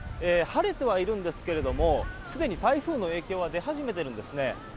晴れてはいるんですけれどもすでに台風の影響は出始めているんです。